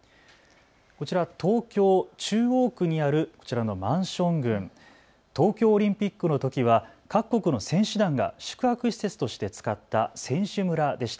こちら東京中央区にあるこちらのマンション群、東京オリンピックのときは各国の選手団が宿泊施設として使った選手村でした。